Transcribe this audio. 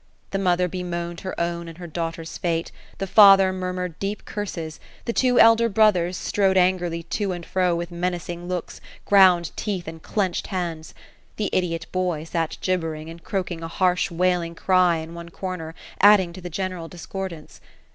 The mother bemoaned her own and her daughter's fSftte ; the father murmured deep curses ; the two elder brothers, strode an grily to and fro with menacing looks, ground teeth, and clenched bands. The idiot boy sat jibbering, and croaking a harsh wailing cry in one cor ner ; adding to the general discordance.